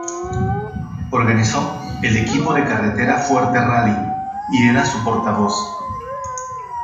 Organizó el Equipo de Carretera Fuerte Rally, y era su portavoz.